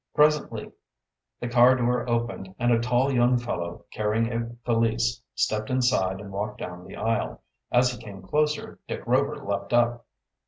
Presently the car door opened and a tall young fellow, carrying a valise, stepped inside and walked down the aisle. As he came closer Dick Rover leaped up.